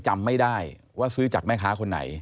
จำไม่ได้ว่าซื้อจากแม่ค้าคนไหน